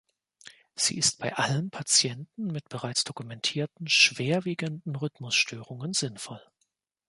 Sie ist bei allen Patienten mit bereits dokumentierten schwerwiegenden Rhythmusstörungen sinnvoll.